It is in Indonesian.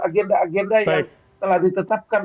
agenda agenda yang telah ditetapkan